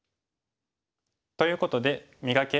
ということで「磨け！